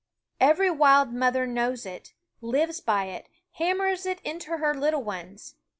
Every wild mother knows it, lives by it, hammers it into her little ones.